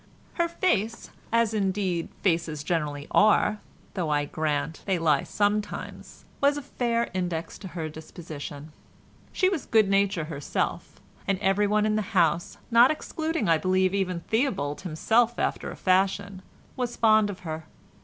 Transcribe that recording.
Her face (as indeed faces generally are, though I grant they lie sometimes) was a fair index to her disposition. She was good nature itself, and everyone in the house, not excluding I believe even Theobald himself after a fashion, was fond of her.